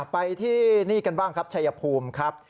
ไปที่นี่กันบ้างครับชัยภูมิครับ